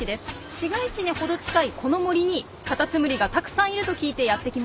市街地に程近いこの森にカタツムリがたくさんいると聞いてやってきました。